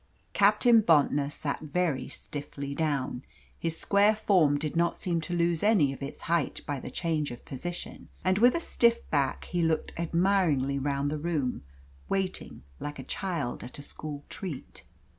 Captain Bontnor sat very stiffly down. His square form did not seem to lose any of its height by the change of position, and with a stiff back he looked admiringly round the room, waiting like a child at a school treat.